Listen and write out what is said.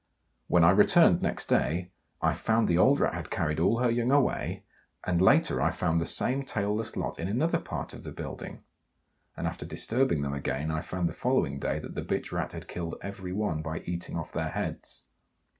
When I returned next day, I found the old Rat had carried all her young away, and, later, I found the same tailless lot in another part of the building, and, after disturbing them again, I found the following day that the bitch Rat had killed every one by eating off their heads.